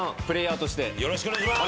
よろしくお願いします！